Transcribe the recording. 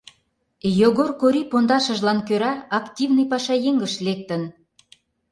Йогор Кори пондашыжлан кӧра активный пашаеҥыш лектын.